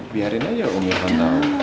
biarin aja om irfan tau